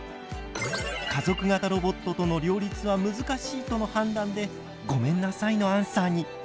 家族型ロボットとの両立は難しいとの判断で「ごめんなさい」のアンサーに！